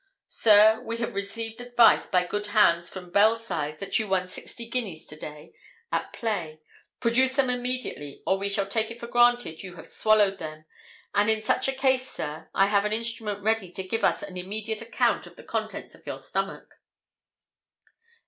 Sir, we have received advice by good hands from Belsize that you won sixty guineas to day at play. Produce them immediately, or we shall take it for granted you have swallowed them; and in such a case, Sir, I have an instrument ready to give us an immediate account of the contents of your stomach.